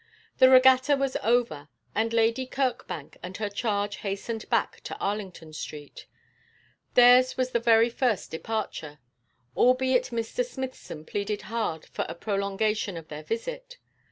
The regatta was over, and Lady Kirkbank and her charge hastened back to Arlington Street. Theirs was the very first departure; albeit Mr. Smithson pleaded hard for a prolongation of their visit.